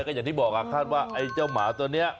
ก็อย่างที่บอกคาดว่าไอ้เจ้าหมาตัวนี้